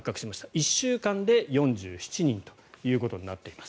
１週間で４７人ということになっています。